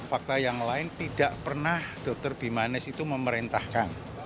fakta yang lain tidak pernah dokter bimanes itu memerintahkan